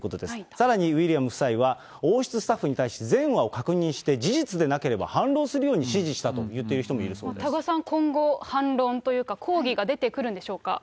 さらにウィリアム夫妻は、王室スタッフに対し、全話を確認して、事実でなければ反論するように指示したと言ってる人もいるそうで多賀さん、今後、反論というか、抗議が出てくるんでしょうか？